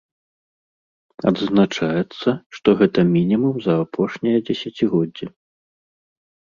Адзначаецца, што гэта мінімум за апошняе дзесяцігоддзе.